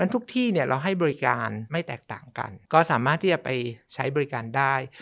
ทุกที่เนี่ยเราให้บริการไม่แตกต่างกันก็สามารถที่จะไปใช้บริการได้